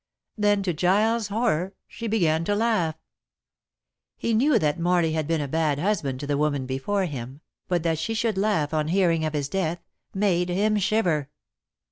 Then to Giles' horror she began to laugh. He knew that Morley had been a bad husband to the woman before him, but that she should laugh on hearing of his death, made him shiver.